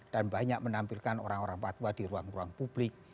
dan banyak menampilkan orang orang patwa di ruang ruang publik